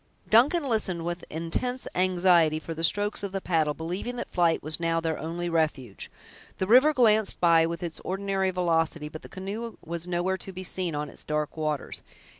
Duncan listened with intense anxiety for the strokes of the paddle, believing that flight was now their only refuge. The river glanced by with its ordinary velocity, but the canoe was nowhere to be seen on its dark waters.